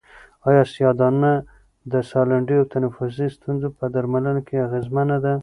آیا سیاه دانه د سالنډۍ او تنفسي ستونزو په درملنه کې اغېزمنه ده؟